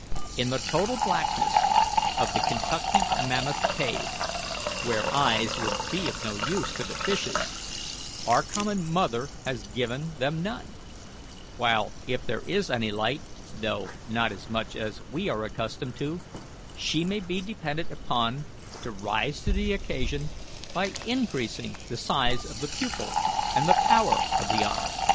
In the total blackness of the Kentucky Mammoth Cave, where eyes would be of no use to the fishes, our common mother has given them none; while if there is any light, though not as much as we are accustomed to, she may be depended upon to rise to the occasion by increasing the size of the pupil and the power of the eye.